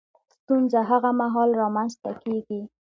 ستونزه هغه مهال رامنځ ته کېږي